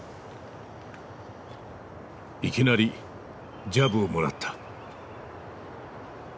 いきなりジャブをもらった。